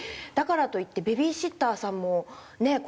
だからといってベビーシッターさんもね